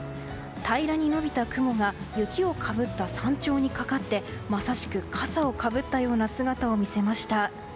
平らに延びた雲が雪をかぶった山頂にかかってまさしく笠をかぶったような姿を見せました。